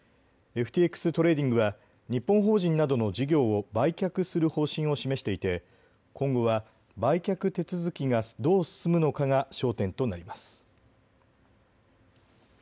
ＦＴＸトレーディングは日本法人などの事業を売却する方針を示していて今後は売却手続きがどう進むのかが焦点となります。